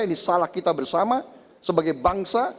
ini salah kita bersama sebagai bangsa